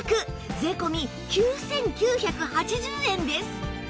税込９９８０円です